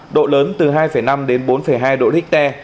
độ lớn từ hai năm đến bốn hai độ richter